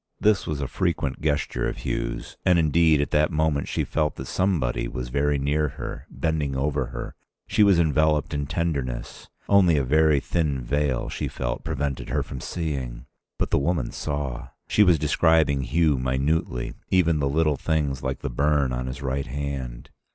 This was a frequent gesture of Hugh's. And indeed at that moment she felt that somebody was very near her, bending over her. She was enveloped in tenderness. Only a very thin veil, she felt, prevented her from seeing. But the woman saw. She was describing Hugh minutely, even the little things like the burn on his right hand.